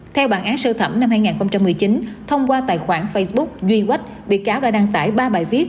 theo bản án sơ thẩm năm hai nghìn một mươi chín thông qua tài khoản facebook duy wech bị cáo đã đăng tải ba bài viết